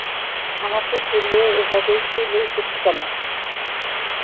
আমাকে ফেলে ওভাবে চলে এসেছ কেন?